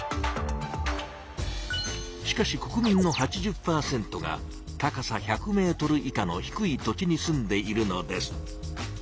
しかし国民の８０％が高さ１００ｍ以下の低い土地に住んでいるのです。